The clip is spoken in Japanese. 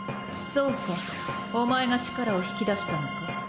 そうかお前が力を引き出したのか。